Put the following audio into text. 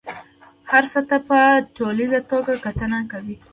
هر څه ته په ټوليزه توګه کتنه کوي.